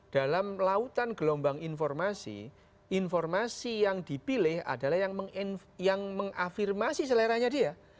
dalam lautan gelombang informasi informasi yang dipilih adalah yang mengafirmasi seleranya dia